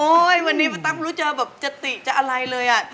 โอ๊ยวันนี้ประตังค์รู้จักแบบจะติจะอะไรเลยอ่ะ